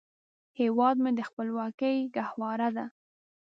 هیواد مې د خپلواکۍ ګهواره ده